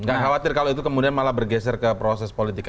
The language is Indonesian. gak khawatir kalau itu kemudian malah bergeser ke proses politik